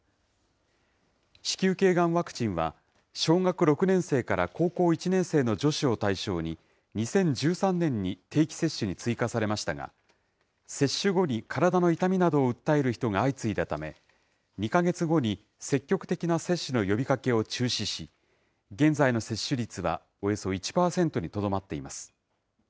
子宮けいがんワクチンは、小学６年生から高校１年生の女子を対象に、２０１３年に定期接種に追加されましたが、接種後に体の痛みなどを訴える人が相次いだため、２か月後に積極的な接種の呼びかけを中止し、現在の接種率はおよそ１％にとどまっています。